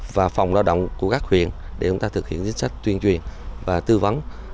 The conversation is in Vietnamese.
và phòng lao động của các huyện để chúng ta thực hiện chính sách tuyên truyền và tư vấn